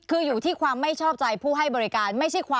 คืออยู่ที่ความไม่ชอบใจผู้ให้บริการ